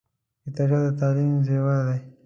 کتابچه د تعلیم زیور دی